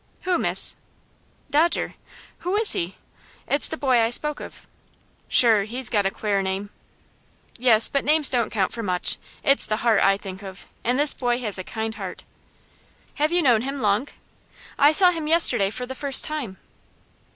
"Who, miss?" "Dodger." "Who is he?" "It's the boy I spoke of." "Shure, he's got a quare name." "Yes; but names don't count for much. It's the heart I think of, and this boy has a kind heart." "Have you known him long?" "I saw him yesterday for the first time."